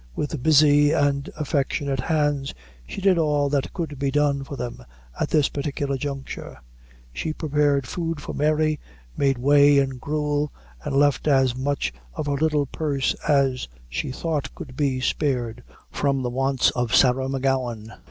With busy and affectionate hands she did all that could be done for them at that particular juncture. She prepared food for Mary, made whey and gruel, and left as much of her little purse as she thought could be spared from the wants of Sarah M'Gowan.